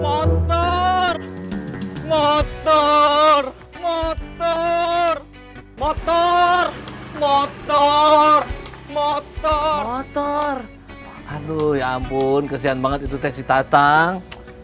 motor motor motor motor motor motor motor ya ampun kesian banget itu teh si tatang